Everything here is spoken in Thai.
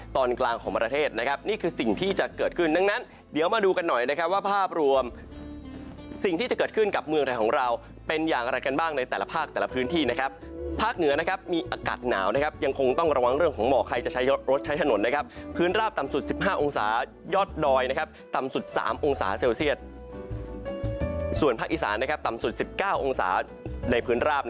ตอนกลางของประเทศนะครับนี่คือสิ่งที่จะเกิดขึ้นดังนั้นเดี๋ยวมาดูกันหน่อยว่าภาพรวมสิ่งที่จะเกิดขึ้นกับเมืองไทยของเราเป็นอย่างอะไรกันบ้างในแต่ละภาคแต่ละพื้นที่นะครับภาคเหนือนะครับมีอากาศหนาวนะครับยังคงต้องระวังเรื่องของเหมาะใครจะใช้รถใช้ถนนนะครับพื้นราบต่ำสุด๑๕องศายอดดอยนะครับ